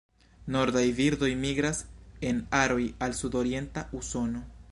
Nordaj birdoj migras en aroj al sudorienta Usono.